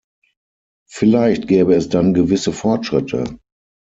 Vielleicht gäbe es dann gewisse Fortschritte.